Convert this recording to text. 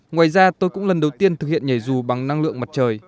ngoài ra tôi cũng lần đầu tiên thực hiện nhảy dù bằng năng lượng mặt trời